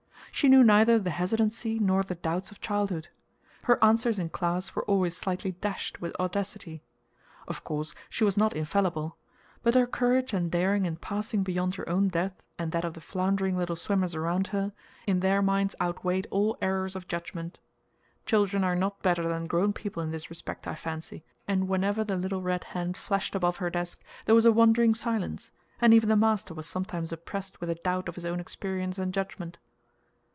She knew neither the hesitancy nor the doubts of childhood. Her answers in class were always slightly dashed with audacity. Of course she was not infallible. But her courage and daring in passing beyond her own depth and that of the floundering little swimmers around her, in their minds outweighed all errors of judgment. Children are not better than grown people in this respect, I fancy; and whenever the little red hand flashed above her desk, there was a wondering silence, and even the master was sometimes oppressed with a doubt of his own experience and judgment.